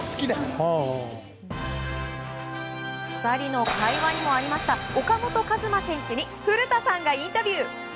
２人の会話にもありました岡本和真選手に古田さんがインタビュー。